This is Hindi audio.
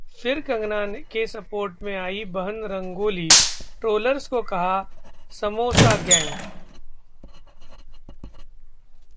फिर कंगना के सपोर्ट में आईं बहन रंगोली, ट्रोलर्स को कहा- 'समौसा गैंग'